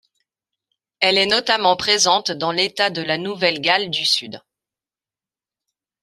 Elle est notamment présente dans l'État de la Nouvelle-Galles du Sud.